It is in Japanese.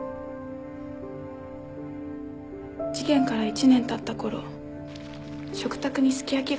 事件から１年たったころ食卓にすき焼きが出たんです。